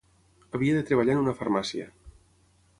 Havia de treballar en una farmàcia.